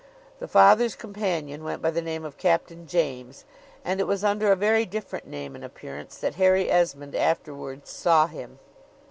The Father's companion went by the name of Captain James; and it was under a very different name and appearance that Harry Esmond afterwards saw him.